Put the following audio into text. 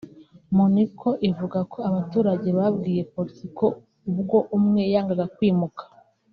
Monitor ivuga ko abaturage babwiye polisi ko ubwo umwe yangaga kwimuka